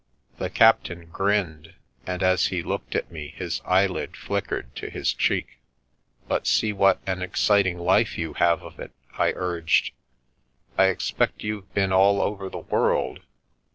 The captain grinned, and as he looked at me his eyelid flickered to his cheek. " But see what an exciting life you have of it !" I urged. "I expect you've been all over the world."